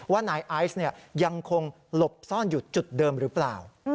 ว่านายไอซ์ยังคงหลบซ่อนอยู่จุดเดิมหรือเปล่า